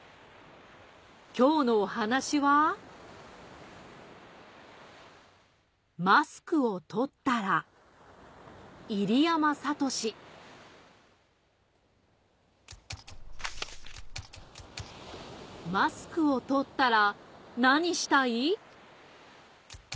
今日のお話は『マスクをとったら』いりやまさとしマスクをとったらなにしたい？